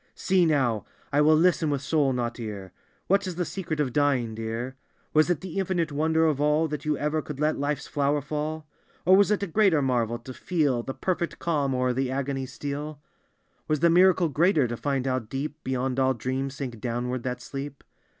" See now; I will listen with soul, not ear; What is the secret of dying, dear? " Was it the infinite wonder of all That you ever could let life's flower fall? " Or was it a greater marvel to feel The perfect calm o'er the agony steal? D,gt,, erihyGOOgle " Was the mirade greater to find bow deep Beyond all dreams sank downward that sleep?